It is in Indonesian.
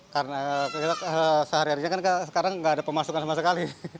karena sehari harinya kan sekarang enggak ada pemasukan sama sekali